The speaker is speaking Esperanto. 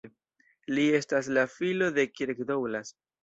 Li estas la filo de Kirk Douglas.